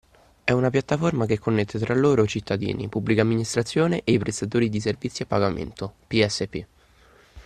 È una piattaforma che connette tra loro cittadini, Pubblica Amministrazione e i Prestatori di Servizi di Pagamento (PSP)